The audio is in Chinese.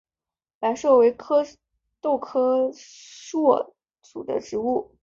白栎为壳斗科栎属的植物。